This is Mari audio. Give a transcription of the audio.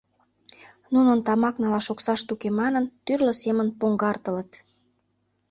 Нунын тамак налаш оксашт уке, — манын, тӱрлӧ семын поҥгартылыт.